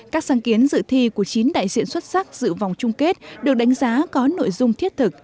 các sáng kiến dự thi của chín đại diện xuất sắc dự vòng chung kết được đánh giá có nội dung thiết thực